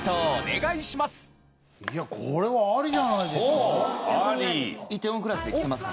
いやこれはアリじゃないですか？